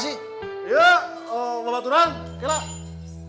iya apa yang terjadi